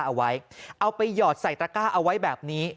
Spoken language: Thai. ใส่ของใส่ตะกร้าเอาไว้เอาไปหยอดใส่ตะกร้าเอาไว้แบบนี้